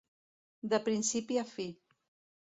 De principi a fi.